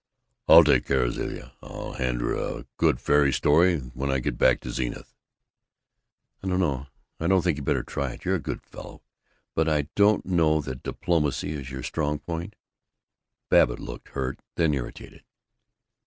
"I'll take care of Zilla. I'll hand her a good fairy story when I get back to Zenith." "I don't know I don't think you better try it. You're a good fellow, but I don't know that diplomacy is your strong point." Babbitt looked hurt, then irritated.